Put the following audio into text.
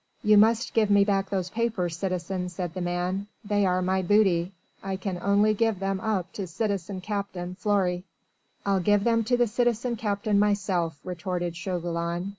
"You must give me back those papers, citizen," said the man, "they are my booty. I can only give them up to citizen captain Fleury." "I'll give them to the citizen captain myself," retorted Chauvelin.